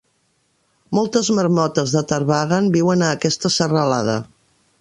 Moltes marmotes de Tarbagan viuen a aquesta serralada.